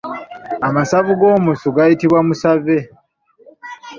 Amasavu g'omusu gayitibwa musave.